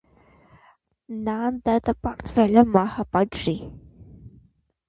Նա դատապարտվել է մահապատժի։